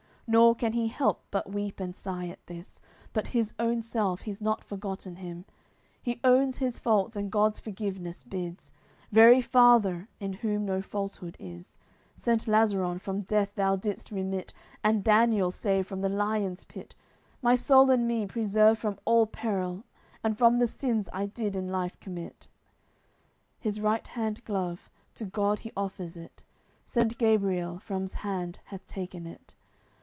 Nor can he help but weep and sigh at this. But his own self, he's not forgotten him, He owns his faults, and God's forgiveness bids: "Very Father, in Whom no falsehood is, Saint Lazaron from death Thou didst remit, And Daniel save from the lions' pit; My soul in me preserve from all perils And from the sins I did in life commit!" His right hand glove, to God he offers it Saint Gabriel from's hand hath taken it.